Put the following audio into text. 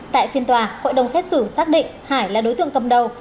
tại phiên tòa hội đồng xét xử xác định hải là đối tượng cầm đầu